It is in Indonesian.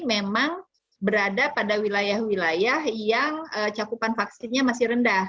memang berada pada wilayah wilayah yang cakupan vaksinnya masih rendah